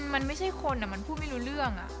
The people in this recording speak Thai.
มันไม่ใช่คนมันพูดไม่รู้เรื่อง